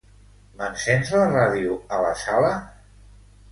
M'encens la ràdio a la sala?